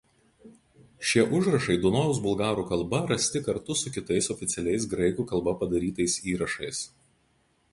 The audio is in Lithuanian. Šie užrašai Dunojaus bulgarų kalba rasti kartu su kitais oficialiais graikų kalba padarytais įrašais.